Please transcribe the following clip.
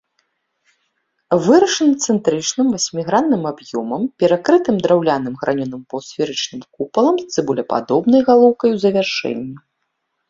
Вырашана цэнтрычным васьмігранным аб'ёмам, перакрытым драўляным гранёным паўсферычным купалам з цыбулепадобнай галоўкай у завяршэнні.